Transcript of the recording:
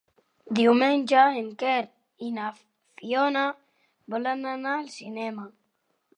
Diumenge en Quer i na Fiona volen anar al cinema.